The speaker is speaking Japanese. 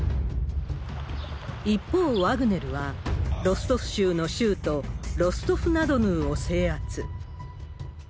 一方、ワグネルはロストフ州の州都ロストフナドヌーを制圧。